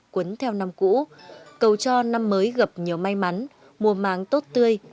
quấn theo năm cũ cầu cho năm mới gặp nhiều may mắn mùa màng tốt tươi